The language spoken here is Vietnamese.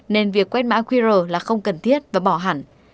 nên việc quét mã qr là không cần thiết và bỏ hẳn